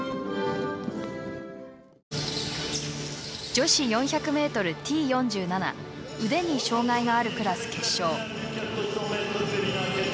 女子４００ｍＴ４７腕に障がいがあるクラス決勝。